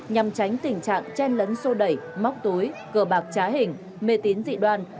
nhằm tránh tình trạng chen lấn sô đẩy móc túi cờ bạc trá hình mê tín dị đoan